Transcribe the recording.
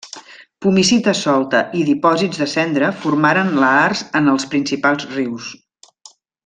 Pumicita solta i dipòsits de cendra formaren lahars en els principals rius.